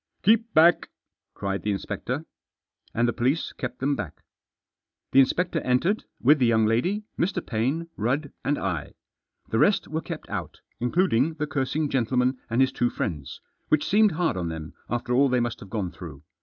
" Keep back f " cried the inspector. And the police kept them back. The inspector entered, with the young lady, Mr. Paine, Rudd and I. The rest were kept out, including the cursing gentleman and his two friends, which seemed hard on them after all they must have gone through.